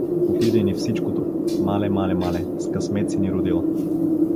Отиде ни всичкото… Мале, мале, мале, с късмет си ни родила!